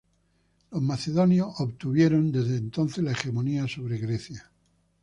Los macedonios obtuvieron desde entonces la hegemonía sobre Grecia.